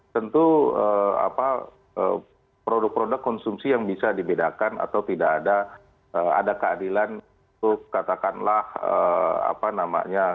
tentu produk produk konsumsi yang bisa dibedakan atau tidak ada keadilan untuk katakanlah apa namanya